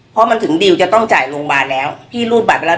เพราะมันถึงดิวจะต้องจ่ายโรงพยาบาลแล้วพี่รูดบัตรไปแล้ว